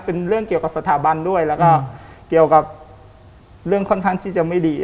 เป็นเรื่องเกี่ยวกับสถาบันด้วยแล้วก็เกี่ยวกับเรื่องค่อนข้างที่จะไม่ดี